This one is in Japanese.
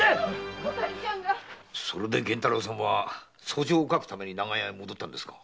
それで源太郎さんは訴状を書きに長屋へ戻ったんですかい？